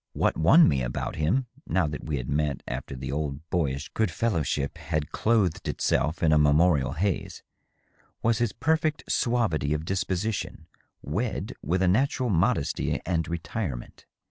What won me about him, now that we had met after the old boyish good fellowship had clothed itself in a memorial haze, was his perfect suavity of disposition wed with a natural modesty and retirement.